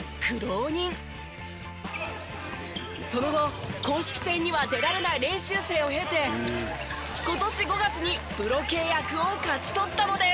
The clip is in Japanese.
その後公式戦には出られない練習生を経て今年５月にプロ契約を勝ち取ったのです。